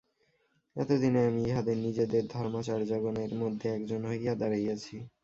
এতদিনে আমি ইহাদের নিজেদের ধর্মাচার্যগণের মধ্যে একজন হইয়া দাঁড়াইয়াছি।